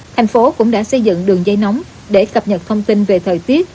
thành phố cũng đã xây dựng đường dây nóng để cập nhật thông tin về thời tiết